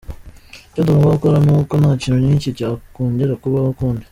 Icyo tugomba gukora ni uko nta kintu nk’iki cyakongera kubaho ukundi.